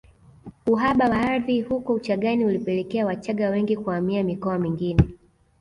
Uhaba wa ardhi huko Uchagani ulipelekea Wachagga wengi kuhamia mikoa mingine